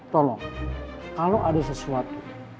tolong kalau ada sesuatu